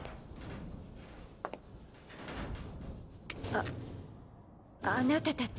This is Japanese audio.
ああなたたち。